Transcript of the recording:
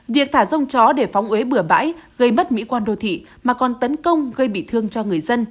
việc thả rông chó để phóng ế bừa bãi gây mất mỹ quan đô thị mà còn tấn công gây bị thương cho người dân